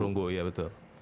dua perunggu iya betul